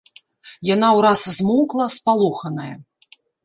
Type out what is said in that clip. Яна ўраз змоўкла, спалоханая.